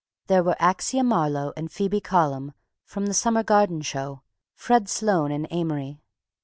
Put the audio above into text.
There were Axia Marlowe and Phoebe Column, from the Summer Garden show, Fred Sloane and Amory.